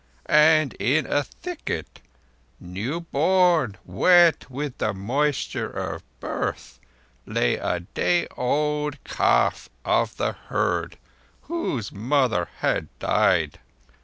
And in a thicket, new born, wet with moisture of birth, lay a day old calf of the herd whose mother had died.